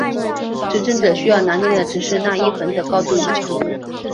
执政者需要拿捏的只是那一横的高度与长度。